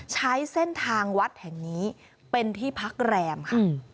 ใช้เส้นทางวัดแห่งนี้เป็นที่พักแรมค่ะ